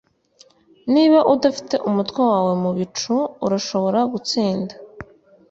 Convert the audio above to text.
niba udafite umutwe wawe mubicu, urashobora gutsinda